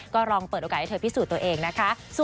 ก็ลองเปิดโอกาสให้เธอพิสูจน์ตัวเองนะคะ